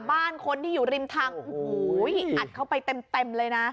บ้านคนที่อยู่ริมทางโอ้โหอัดเข้าไปเต็มเลยนะ